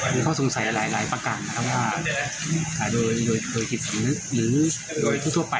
มีข้อสงสัยหลายประกันนะครับว่า